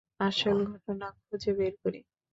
আসল ঘটনা খুঁজে বের করি!